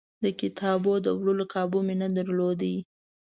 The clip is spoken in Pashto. د کتابونو د وړلو کابو مې نه درلود.